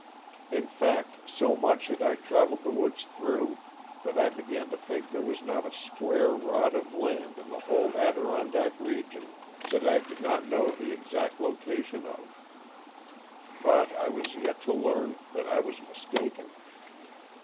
In fact so much had I traveled the woods through that I began to think there was not a square rod of land in the whole Adirondack region that I did not know the exact location of. But I was yet to learn that I was mistaken.